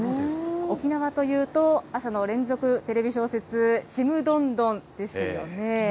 沖縄というと、朝の連続テレビ小説、ちむどんどんですよね。